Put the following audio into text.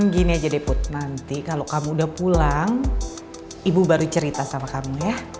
gini aja deput nanti kalau kamu udah pulang ibu baru cerita sama kamu ya